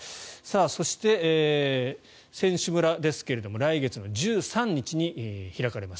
そして、選手村ですが来月１３日に開かれます。